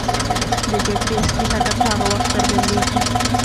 د جګړې اصلي هدف هغه وخت څرګندېږي.